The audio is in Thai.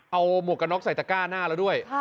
เอาหมวกกระน็อกใส่ตะก้าหน้าแล้วด้วย